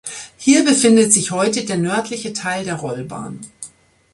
Hier befindet sich heute der nördliche Teil der Rollbahn.